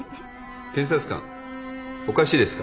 検察官おかしいですか。